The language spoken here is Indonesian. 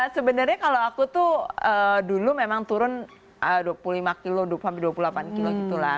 sebenarnya kalau aku tuh dulu memang turun dua puluh lima kilo sampai dua puluh delapan kilo gitu lah